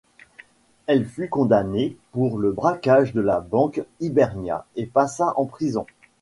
Elle fut condamnée pour le braquage de la banque Hibernia et passa en prison.